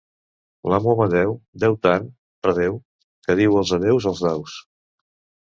L'amo Amadeu deu tant, redeu!, que diu els adeus als daus.